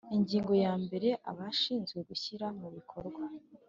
Ingingo ya mbere Abashinzwe gushyira mu bikorwa